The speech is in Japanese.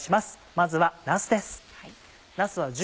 まずはなすです。